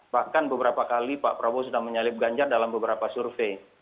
bahkan beberapa kali pak prabowo sudah menyalip ganjar dalam beberapa survei